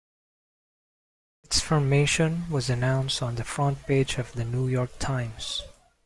Its formation was announced on the front page of "The New York Times".